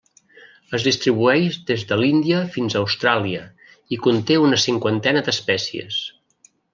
Es distribueix des de l'Índia fins a Austràlia i conté una cinquantena d'espècies.